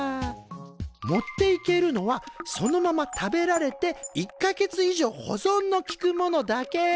持っていけるのはそのまま食べられて１か月以上保存のきくものだけ。